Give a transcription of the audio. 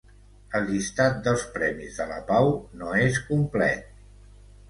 El llistat dels Premis de la Pau no és complet.